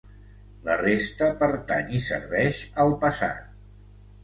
La resta pertany i serveix al passat.